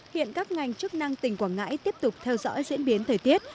hiện các ngành chức năng tỉnh quảng ngãi tiếp tục theo dõi diễn biến thời tiết